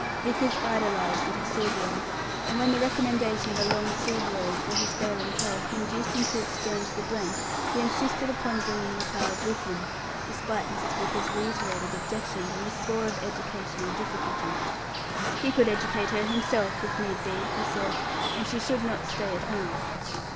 Vickers idolized little Sylvia, and when the recommendation of a long sea voyage for his failing health induced him to exchange into the th, he insisted upon bringing the child with him, despite Mrs. Vickers's reiterated objections on the score of educational difficulties. "He could educate her himself, if need be," he said; "and she should not stay at home."